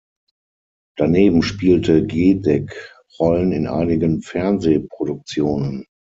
Daneben spielte Gedeck Rollen in einigen Fernseh-Produktionen.